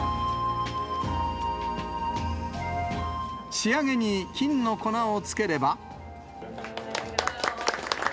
仕上げに金の粉をつければ。